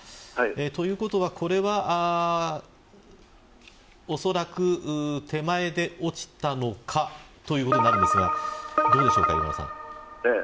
ということはおそらく手前で落ちたのかということになりますがどうでしょうか。